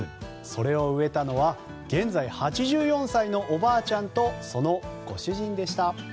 それを植えたのは現在８４歳のおばあちゃんとそのご主人でした。